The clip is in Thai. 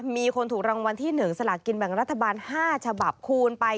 มีคนถูกรางวัลที่๑สลากินแบ่งรัฐบาล๕ฉบับคูณไป